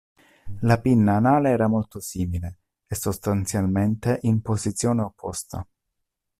La pinna anale era molto simile e sostanzialmente in posizione opposta.